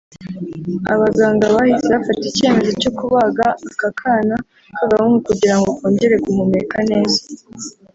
Abaganga bahise bafata icyemezo cyo kubaga aka kana k’agahungu kugira ngo kongere guhumeka neza